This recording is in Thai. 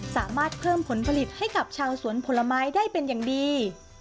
สามารถเพิ่มผลผลิตให้กับชาวสวนผลไม้ได้เป็นอย่างดี